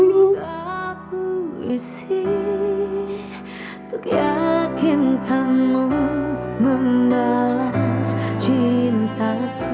mereka bisa tertawa bahagia sama tante ayu dan dina